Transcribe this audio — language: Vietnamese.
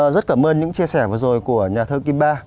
rất cảm ơn những chia sẻ vừa rồi của nhà thơ kim ba